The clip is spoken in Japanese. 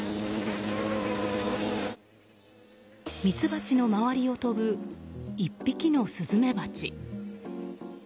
ミツバチの周りを飛ぶ１匹のスズメバチ。